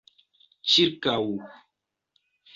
ĉirkaŭ